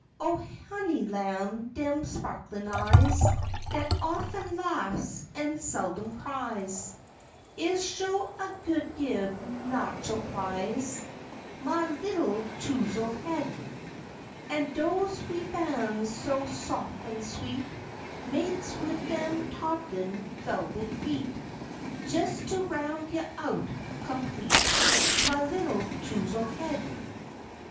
O, Honey Lam'! dem sparklin' eyes, Dat offen laffs an' selem cries, Is sho a God gib natchel prize, Mah 'ittle Touzle Head. An' doze wee ban's so sof an' sweet, Mates wid dem toddlin', velvet feet, Jes to roun' you out, complete, Mah 'ittle Touzle Head.